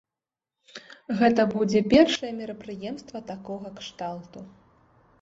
Гэта будзе першае мерапрыемства такога кшталту.